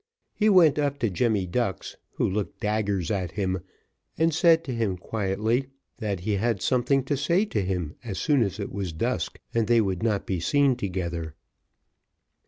He went up to Jemmy Ducks, who looked daggers at him, and said to him quietly, "That he had something to say to him as soon as it was dusk, and they would not be seen together."